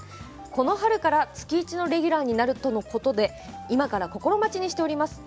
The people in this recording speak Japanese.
この春から月１のレギュラーになるとのことで今から心待ちにしております。